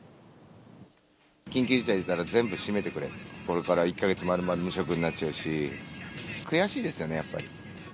緊急事態だから全部閉めてくれ、これから１か月、まるまる無職になっちゃうし、悔しいですよね、やっぱり。